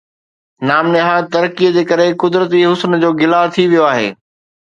نام نهاد ترقيءَ جي ڪري قدرتي حسن جو گلا ٿي ويو آهي